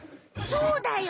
そうだよ